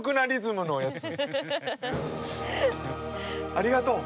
ありがとう！